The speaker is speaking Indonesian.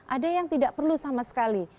ada yang tidak perlu sama sekali